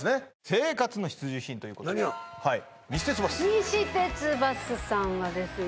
生活の必需品ということではい西鉄バス西鉄バスさんはですね